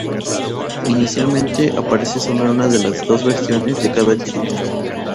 Inicialmente aparece sólo una de las dos versiones de cada chica.